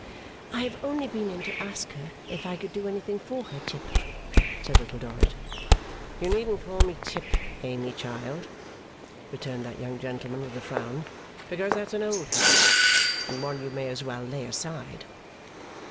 'I have only been in to ask her if I could do anything for her, Tip,' said Little Dorrit. 'You needn't call me Tip, Amy child,' returned that young gentleman with a frown; 'because that's an old habit, and one you may as well lay aside.